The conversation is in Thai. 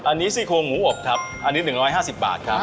อันนี้ซีโครงหมูอบครับอันนี้หนึ่งร้อยห้าสิบบาทครับ